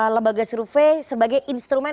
lebaga survei sebagai instrumen